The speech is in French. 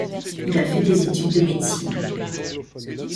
Il a fait des études de médecine.